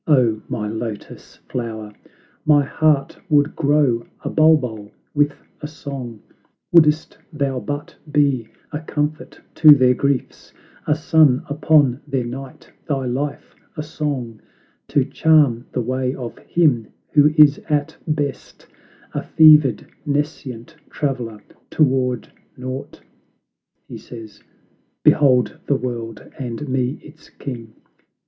O, my Lotus Flower, My heart would grow a bulbul with a song, Wouldst thou but be a comfort to their griefs; A sun upon their night; thy life a song, To charm the way of him who is at best, A fevered, nescient traveler toward naught. He says, "Behold the world, and me its king!"